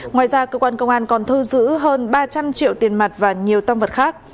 ngoài ra cơ quan công an còn thu giữ hơn ba trăm linh triệu tiền mặt và nhiều tâm vật khác